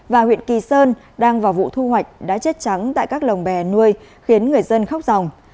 và huyện kỳ sơn đang vào vụ thu hoạch đã chết trắng tại các lồng bè nuôi khiến người dân khóc dòng